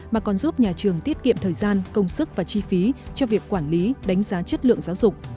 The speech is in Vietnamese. mà còn giúp nhà trường tiết kiệm thời gian công sức và chi phí cho việc quản lý đánh giá chất lượng giáo dục